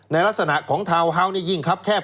ลักษณะของทาวน์เฮาส์นี่ยิ่งครับแคบ